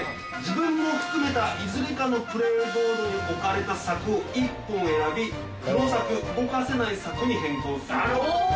自分も含めたいずれかのプレイボードに置かれた柵を１本選び黒柵動かせない柵に変更する事ができる。